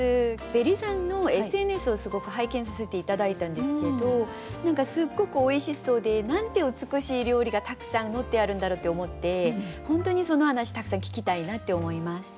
ベリさんのＳＮＳをすごく拝見させて頂いたんですけど何かすっごくおいしそうでなんて美しい料理がたくさん載ってあるんだろうって思って本当にその話たくさん聞きたいなって思います。